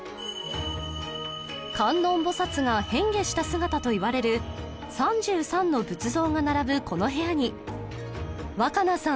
観音菩薩が変化した姿といわれる３３の仏像が並ぶこの部屋に若菜さん